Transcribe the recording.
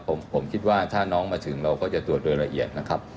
ผมคิดว่าถ้าน้องมาถึงเราก็จะตรวจโดยละเอียดนะครับ